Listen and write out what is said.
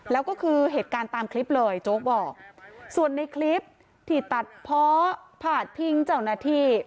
แล้วก็คือเหตุการณ์ตามคลิปเลยโจ๊กบอกส่วนในคลิปที่ตัดเพาะพาดพิงเจ้าหน้าที่